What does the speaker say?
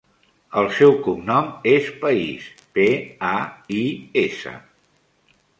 El seu cognom és Pais: pe, a, i, essa.